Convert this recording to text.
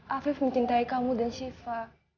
afif mencintai kamu dan syifa